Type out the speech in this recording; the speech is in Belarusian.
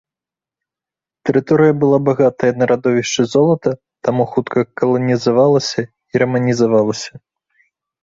Тэрыторыя была багатая на радовішчы золата, таму хутка каланізавалася і раманізавалася.